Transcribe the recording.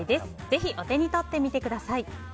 ぜひ、お手に取ってみてください。